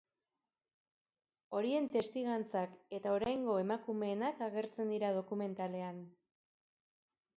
Horien testigantzak eta oraingo emakumeenak agertzen dira dokumentalean.